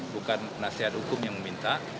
bukan penasihat hukum yang meminta